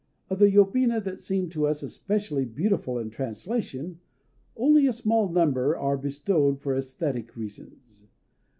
Of the yobina that seem to us especially beautiful in translation, only a small number are bestowed for æsthetic reasons.